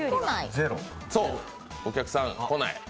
お客さん、来ない。